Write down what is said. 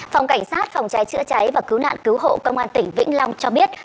phòng cảnh sát phòng cháy chữa cháy và cứu nạn cứu hộ công an tỉnh vĩnh long cho biết